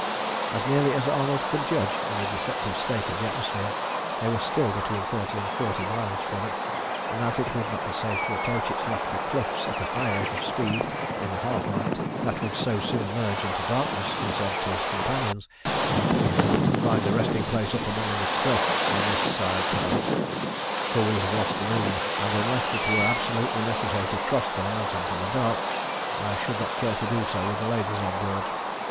As nearly as Arnold could judge in the deceptive state of the atmosphere, they were still between thirty and forty miles from it, and as it would not be safe to approach its lofty cliffs at a high rate of speed in the half light that would so soon merge into darkness, he said to his companions "We shall have to find a resting place up among the cliffs on this side to night, for we have lost the moon, and unless it were absolutely necessary to cross the mountains in the dark, I should not care to do so with the ladies on board.